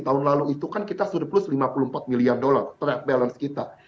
tahun lalu itu kan kita surplus lima puluh empat miliar dolar trade balance kita